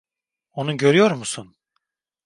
Onu görüyor musun?